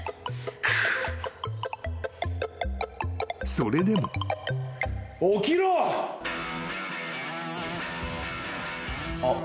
［それでも］えっ？